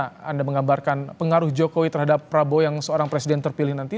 bagaimana anda menggambarkan pengaruh jokowi terhadap prabowo yang seorang presiden terpilih nanti